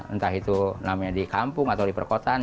entah itu namanya di kampung atau di perkotaan